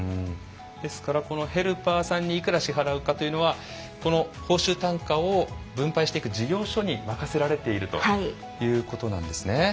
ですからヘルパーさんにいくら支払うかというのはこの報酬単価を分配していく事業所に任せられているということなんですね。